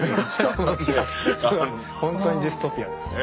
それは本当にディストピアですね。